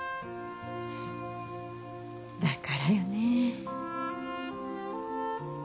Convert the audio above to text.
だからよねえ。